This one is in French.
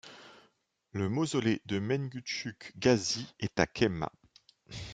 Le mausolée de Mengücük Gazi est à Kemah.